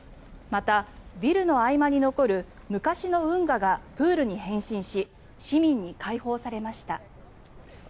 また、ビルの合間に残る昔の運河がプールに変身し市民に開放されました。